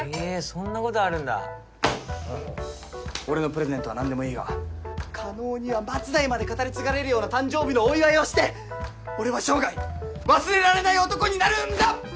そんなことあるんだ俺のプレゼントはなんでもいいが叶には末代まで語り継がれるような誕生日のお祝いをして俺は生涯忘れられない男になるんだ！